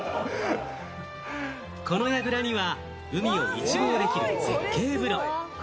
この櫓には海を一望できる絶景風呂。